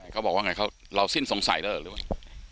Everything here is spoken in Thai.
เขาบอกว่าไงเราสิ้นสงสัยแล้วเหรอหรือว่า